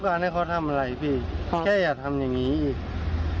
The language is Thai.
อย่าทำอะไรพี่แค่อย่าทำอย่างนี้อีก